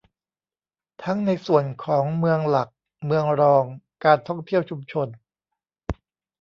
ทั้งในส่วนของเมืองหลัก เมืองรอง การท่องเที่ยวชุมชน